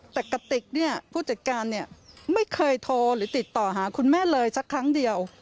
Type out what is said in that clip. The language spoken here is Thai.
แต่กระติกเนี่ยผู้จัดการเนี่ยไม่เคยโทรหรือติดต่อหาคุณแม่เลยสักครั้งเดียว